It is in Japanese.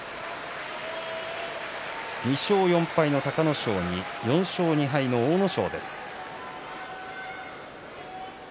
２勝４敗の隆の勝に４勝２敗の阿武咲です。